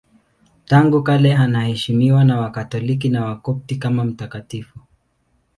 Tangu kale anaheshimiwa na Wakatoliki na Wakopti kama mtakatifu.